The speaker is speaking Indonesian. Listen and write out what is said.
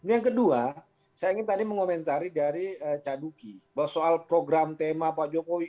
yang kedua saya ingin tadi mengomentari dari caduki bahwa soal program tema pak jokowi